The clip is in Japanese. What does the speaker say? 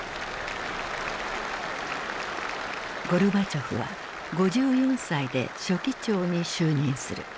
ゴルバチョフは５４歳で書記長に就任する。